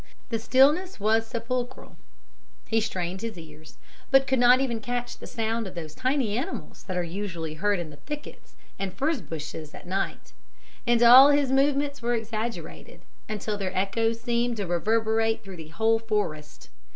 The stillness was sepulchral he strained his ears, but could not even catch the sound of those tiny animals that are usually heard in the thickets and furze bushes at night; and all his movements were exaggerated, until their echoes seemed to reverberate through the whole forest.